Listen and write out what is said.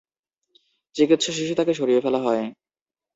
চিকিৎসা শেষে তার সরিয়ে ফেলা হয়।